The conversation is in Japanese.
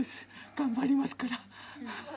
頑張りますから。